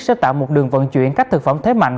sẽ tạo một đường vận chuyển các thực phẩm thế mạnh